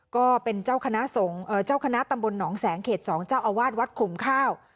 ก็เป็นเจ้าคณะเจ้าคณะตำบลหนองแสงเขต๒เจ้าอาวาสวัดขุมข้าว